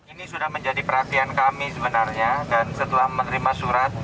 ini sudah menjadi perhatian kami sebenarnya dan setelah menerima surat